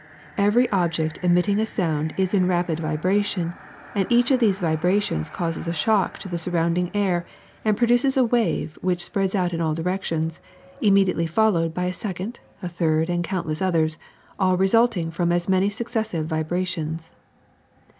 Every object emitting a sound is in rapid vibration, and each of these vibrations causes a shock to the surrounding air and produces a wave which spreads out in all directions, immediately followed by a sec ond, a third, and countless others, all resulting from as many successive vibrations.